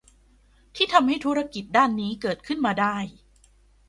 ที่ทำให้ธุรกิจด้านนี้เกิดขึ้นมาได้